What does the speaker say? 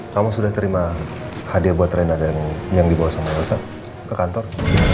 kamu sudah terima hadiah buat rena yang dibawa sama rasa ke kantor